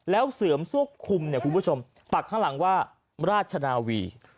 แล้วเสื่อมซวกคุมเนี่ยคุณผู้ชมปักข้างหลังว่าราชนาวี